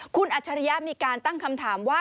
คุณอัจฉริยะมีการตั้งคำถามว่า